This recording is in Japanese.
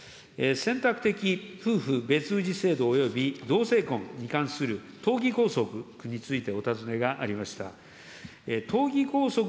選択的夫婦別氏制度および同性婚に関する党議拘束についてお尋ねがありました。